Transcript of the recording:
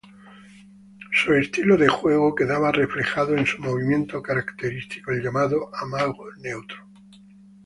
Su estilo de juego quedaba reflejado en su movimiento característico, el llamado "amago neutro".